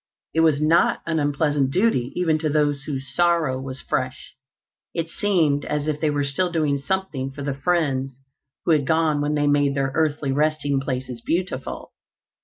It was not an unpleasant duty, even to those whose sorrow was fresh. It seemed as if they were still doing something for the friends who had gone when they made their earthly resting places beautiful.